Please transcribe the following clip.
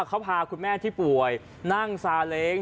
เขาพาคุณแม่ที่ป่วยนั่งซาเล้ง